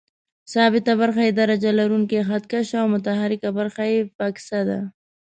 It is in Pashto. ثابته برخه یې درجه لرونکی خط کش او متحرکه برخه یې فکسه ده.